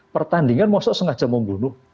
pertandingan maksudnya sengaja membunuh